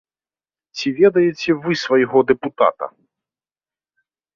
Ці ведаеце вы свайго дэпутата?